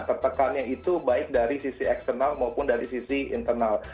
tertekannya itu baik dari sisi eksternal maupun dari sisi internal